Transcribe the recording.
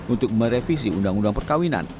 untuk merevisi undang undang perkawinan